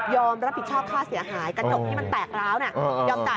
ยอมรับผิดชอบค่าเสียหายการจบที่มันแตกร้าวน่ะ